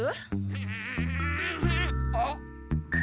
うんあっ。